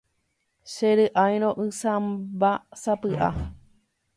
Chery'airo'ysãmbásapy'a.